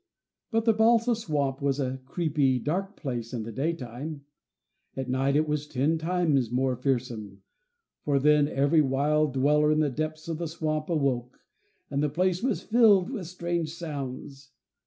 If the Balsam Swamp was a creepy, dark place in the daytime, at night it was ten times more fearsome, for then every wild dweller in the depths of the swamp awoke, and the place was filled with strange sounds.